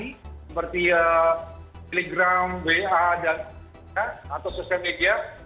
seperti telegram wa dan atau sosial media